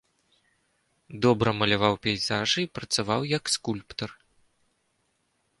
Добра маляваў пейзажы і працаваў як скульптар.